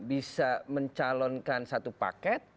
bisa mencalonkan satu paket